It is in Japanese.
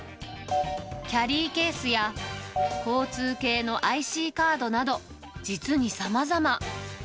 キャリーケースや交通系のＩＣカードなど、実にさまざま。